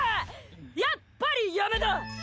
やっぱり、やめだ！